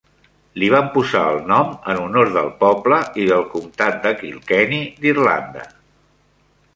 Li van posar el nom en honor del poble i del comtat de Kilkenny d'Irlanda.